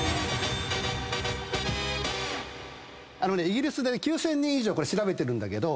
イギリスでね９，０００人以上これ調べてるんだけど。